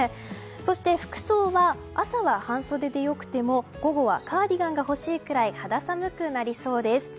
そして服装は朝は半袖で良くても午後はカーディガンが欲しいくらい肌寒くなりそうです。